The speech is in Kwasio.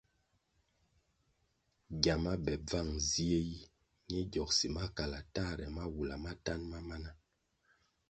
Gyama be bvan zie yi, ñe gyogsi makala tahare mawula matanʼ ma mana.